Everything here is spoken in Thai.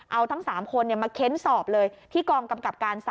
เอาทั้ง๓คนมาเค้นสอบเลยที่กองกำกับการ๓